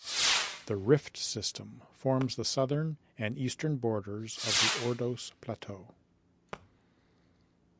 The rift system forms the southern and eastern borders of the Ordos Plateau.